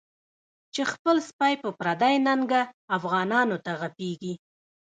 چی خپل سپی په پردی ننګه، افغانانو ته غپیږی